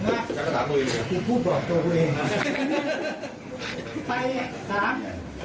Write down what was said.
มากยังแต่ถามตัวอีกตีปุ๊บหากลบตัวตัวเองไปสาม